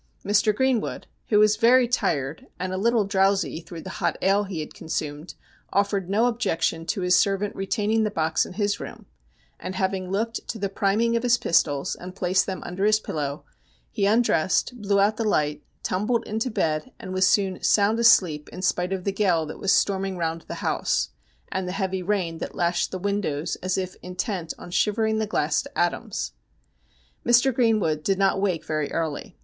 Mr. Greenwood, who was very tired, and a little drowsy through the hot ale he had consumed, offered no objection to his servant retaining the box in his room, and having looked to the priming of his pistols and placed them under his pillow, he undressed, blew out the light, tumbled into bed, and was soon sound asleep in spite of the gale that was storming round the house, and the heavy rain that lashed the windows as if intent on shivering the glass to atoms. Mr. Greenwood did not wake very early.